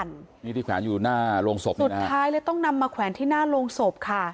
นี่ที่แขวนอยู่หน้าโรงศพสุดท้ายเลยต้องนำมาแขวนที่หน้าโรงศพค่ะ